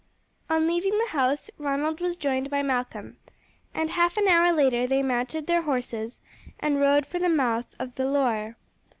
On leaving the house Ronald was joined by Malcolm, and half an hour later they mounted their horses and rode for the mouth of the Loire.